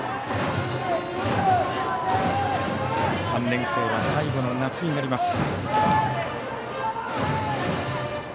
３年生は最後の夏になります。